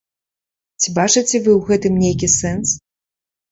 Ці бачыце вы ў гэтым нейкі сэнс?